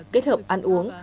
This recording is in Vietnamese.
kết hợp ăn uống